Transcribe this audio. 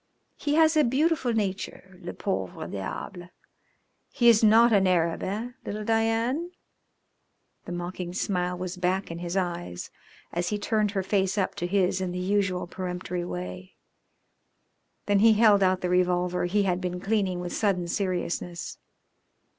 He has a beautiful nature, le pauvre diable. He is not an Arab, eh, little Diane?" The mocking smile was back in his eyes as he turned her face up to his in the usual peremptory way. Then he held out the revolver he had been cleaning with sudden seriousness.